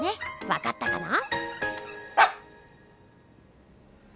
わかったかな？